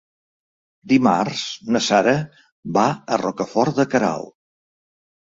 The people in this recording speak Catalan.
Dimarts na Sara va a Rocafort de Queralt.